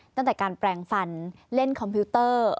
ตั้งแต่การแปลงฟันเล่นคอมพิวเตอร์